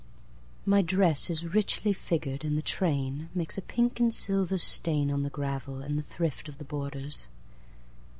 My dress is richly figured, And the trainMakes a pink and silver stainOn the gravel, and the thriftOf the borders.